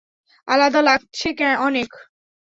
আলাদা লাগছে অনেক।